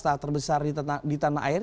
dan tertentu akan di dunia